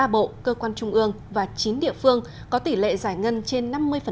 ba bộ cơ quan trung ương và chín địa phương có tỷ lệ giải ngân trên năm mươi